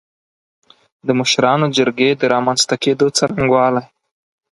د مشرانو جرګې د رامنځ ته کېدو څرنګوالی